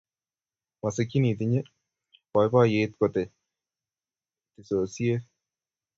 Masikchin itinye boiboiyet kote tisosisiei